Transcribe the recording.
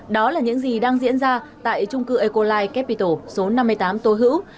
đó là những gì đang diễn ra tại trung cư ecolate capital số năm mươi tám tô hữu